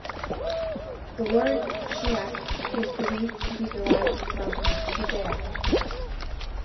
The word 'Chiac' is believed to be derived from "Shediac".